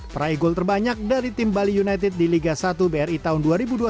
praigul terbanyak dari tim bali united di liga satu bri tahun dua ribu dua puluh satu dua ribu dua puluh dua